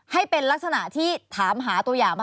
ให้เป็นลักษณะที่ถามหาตัวอย่างมา